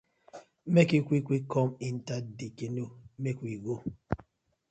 Mek yu quick quick kom enter dey canoe mek we go.